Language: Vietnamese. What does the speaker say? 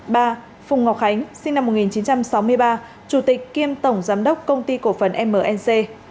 ba phùng ngọc khánh sinh năm một nghìn chín trăm sáu mươi ba chủ tịch kiêm tổng giám đốc công ty cổ phần mnc